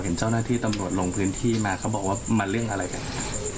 เห็นเจ้าหน้าที่ตำรวจลงพื้นที่มาเขาบอกว่ามาเรื่องอะไรกัน